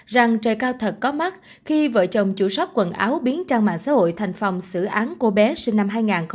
rằng trời cao thật có mắt khi vợ chồng chủ sóc quần áo biến trang mạng xã hội thành phòng xử án cô bé sinh năm hai nghìn bốn